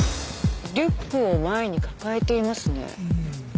リュックを前に抱えていますね。